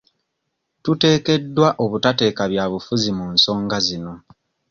Tuteekeddwa obutateeka byabufuzi mu nsonga zino.